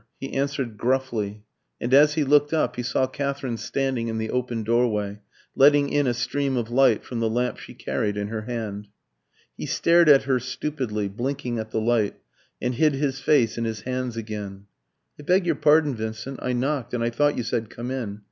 He answered gruffly, and as he looked up he saw Katherine standing in the open doorway, letting in a stream of light from the lamp she carried in her hand. He stared at her stupidly, blinking at the light, and hid his face in his hands again. "I beg your pardon, Vincent. I knocked, and I thought you said 'Come in.'